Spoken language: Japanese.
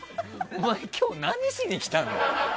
お前今日、何しに来たの？